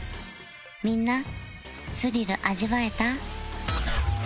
みんなスリル味わえた？